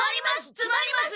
つまります！